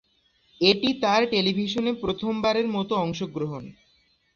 এটি তার টেলিভিশনে প্রথমবারের মতো অংশগ্রহণ।